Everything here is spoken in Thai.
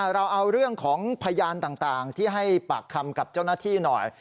เราเอาเรื่องของพยานต่างที่ให้ปากคำกับเจ้าหน้าที่หน่อย